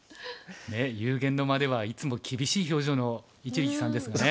ねえ幽玄の間ではいつも厳しい表情の一力さんですもんね。